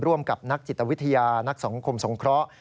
ร่วมกับนักจิตวิทยานักสังคมสงเคราะห์